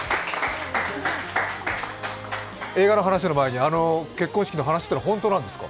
映画の話の前にあの結婚式の話は本当なんですか？